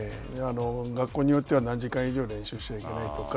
学校によっては何時間以上練習しちゃいけないとか。